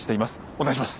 お願いします！